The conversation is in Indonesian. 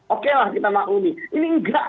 oke lah kita maklumi ini enggak